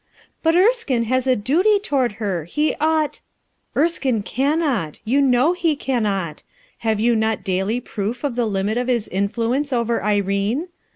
"But Erskine has a duty toward her; he ought — M "Erskine cannot! you know he cannot. Have you not daily proof of the limit of his influence over Irene?